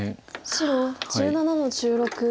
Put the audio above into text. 白１７の十六ツギ。